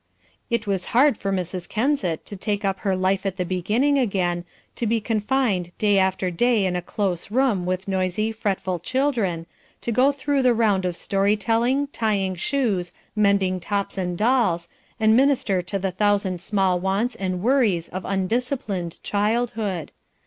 It was hard for Mrs. Kensett to take up her life at the beginning again, to be confined day after day in a close room with noisy, fretful children, to go through the round of story telling, tying shoes, mending tops and dolls, and minister to the thousand small wants and worries of undisciplined childhood.